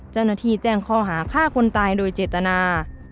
เจ้าหน้าที่แจ้งข้อหาฆ่าคนตายโดยเจตนา